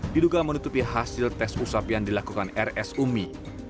diduga menutupi hasil tes usap yang dilakukan rsumi